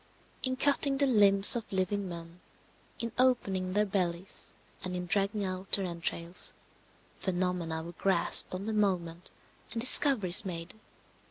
In cutting the limbs of living men, in opening their bellies and in dragging out their entrails, phenomena were grasped on the moment and discoveries made.